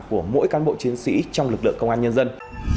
của mỗi cán bộ chiến sĩ trong lực lượng công an nhân dân